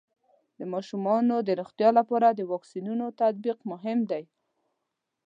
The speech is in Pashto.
د ماشومانو د روغتیا لپاره د واکسینونو تطبیق مهم دی.